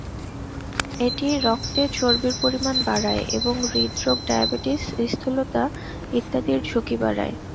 এটি রক্তে চর্বির পরিমাণ বাড়ায় এবং হূদেরাগ, ডায়াবেটিস, স্থূলতা ইত্যাদির ঝুঁকি বাড়ায়।